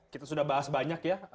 kita sudah bahas banyak ya